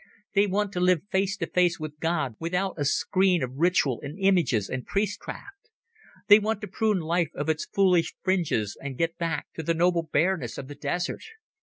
They want to live face to face with God without a screen of ritual and images and priestcraft. They want to prune life of its foolish fringes and get back to the noble bareness of the desert.